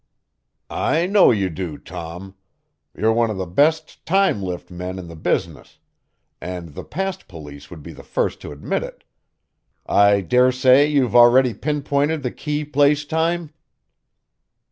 "I know you do, Tom. You're one of the best time lift men in the business, and the Past Police would be the first to admit it.... I daresay you've already pinpointed the key place time?"